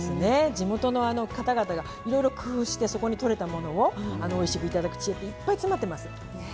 地元の方々がいろいろ工夫してそこに取れたものをおいしく頂く知恵っていっぱい詰まってます。